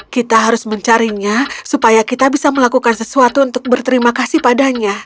kita harus mencarinya supaya kita bisa melakukan sesuatu untuk berterima kasih padanya